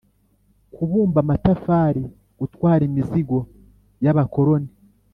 kubumba amatafari, gutwara imizigo y’abakoloni